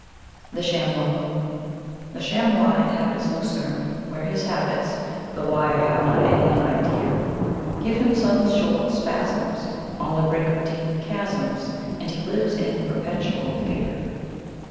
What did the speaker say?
The Chamois The Chamois inhabits Lucerne, where his habits (Though why I have not an idea r) Give him sudden short spasms On the brink of deep chasms, And he lives in perpetual fear.